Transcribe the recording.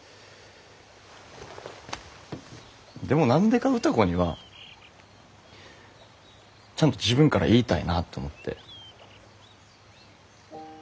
でも何でか歌子にはちゃんと自分から言いたいなって思って。